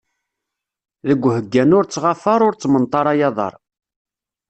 Ded uḥeggan ur ttɣafaṛ, ur ttmenṭaṛ ay aḍaṛ!